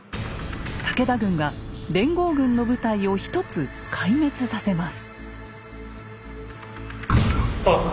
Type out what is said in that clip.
武田軍が連合軍の部隊を１つ壊滅させます。